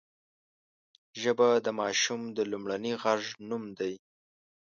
ژبه د ماشوم د لومړني غږ نوم دی